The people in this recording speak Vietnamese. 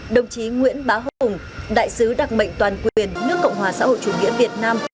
đồng chí nguyễn bá hùng đại sứ đặc mệnh toàn quyền nước cộng hòa xã hội chủ nghĩa việt nam